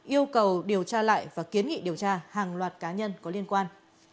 yêu cầu điều tra lại và kiến nghị điều tra hàng loạt cá nhân có liên quan